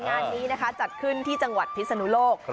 งานนี้นะคะจัดขึ้นที่จังหวัดพิศนุโลก